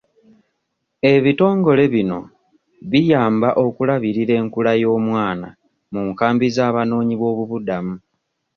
Ebitongole bino biyamba okulabirira enkula y'omwana mu nkaambi z'abanoonyi b'obubuddamu.